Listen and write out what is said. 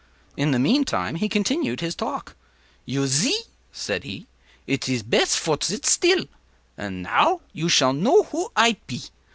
In the meantime, he continued his talk. “You zee,” said he, “it iz te bess vor zit still; and now you shall know who I pe.